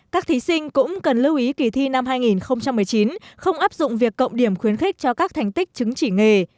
các thí sinh cũng cần lưu ý kỳ thi năm hai nghìn một mươi chín không áp dụng việc cộng điểm khuyến khích cho các thành tích chứng chỉ nghề